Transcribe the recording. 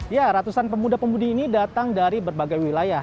ya ratusan pemuda pemudi ini datang dari berbagai wilayah